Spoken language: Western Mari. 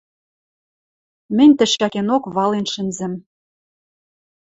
Мӹнь тӹшӓкенок вален шӹнзӹм.